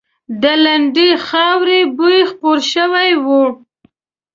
د لندې خاورې بوی خپور شوی و.